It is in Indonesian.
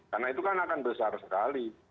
karena itu kan akan besar sekali